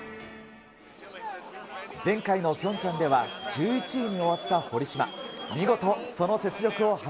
前回のピョンチャンでは１１位に終わった堀島。